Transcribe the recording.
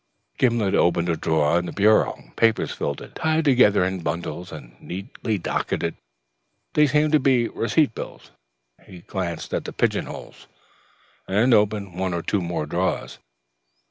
Gimblet opened a drawer in the bureau. Papers filled it, tied together in bundles and neatly docketed. They seemed to be receipted bills. He glanced at the pigeon holes, and opened one or two more drawers.